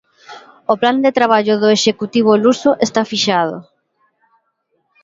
O plan de traballo do Executivo luso está fixado.